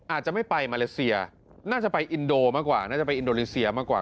อาจจะไม่ไปมาเลเซียน่าจะไปอินโดมากกว่าน่าจะไปอินโดนีเซียมากกว่า